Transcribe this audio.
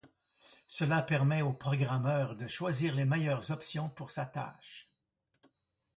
Cela permet au programmeur de choisir les meilleurs options pour sa tache.